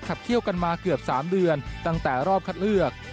เขี้ยวกันมาเกือบ๓เดือนตั้งแต่รอบคัดเลือก